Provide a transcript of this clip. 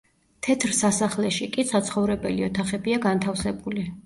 თეთრ სასახლეში კი საცხოვრებელი ოთახებია განთავსებული.